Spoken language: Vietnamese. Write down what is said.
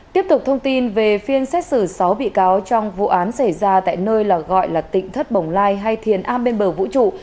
tiếp tục thông tin về phiên xét xử sáu bị cáo trong vụ án xảy ra tại nơi gọi là tỉnh thất bồng lai hay thiền a bên bờ vũ trụ